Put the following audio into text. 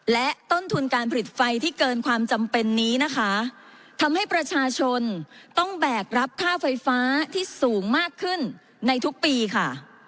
และต้นทุนการผลิตไฟที่เกินความจำเป็นนี้นะคะทำให้ประชาชนต้องแบกรับค่าไฟฟ้าที่สูงมากขึ้นในทุกปีค่ะ